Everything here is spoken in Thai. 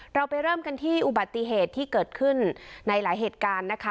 เราไปเริ่มกันที่อุบัติเหตุที่เกิดขึ้นในหลายเหตุการณ์นะคะ